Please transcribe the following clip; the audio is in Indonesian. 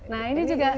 nah ini juga